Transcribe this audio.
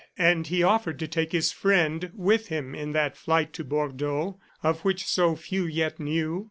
And he offered to take his friend with him in that flight to Bordeaux of which so few yet knew.